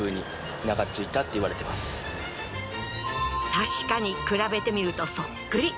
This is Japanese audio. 確かに比べてみるとそっくり。